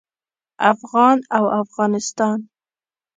افغان او افغانستان